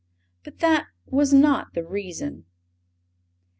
But that was not the reason.